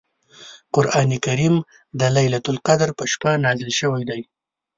قران کریم د لیلة القدر په شپه نازل شوی دی .